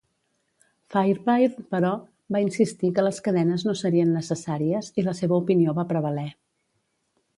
Fairbairn, però, va insistir que les cadenes no serien necessàries i la seva opinió va prevaler.